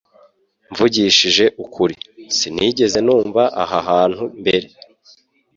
Mvugishije ukuri, Sinigeze numva aha hantu mbere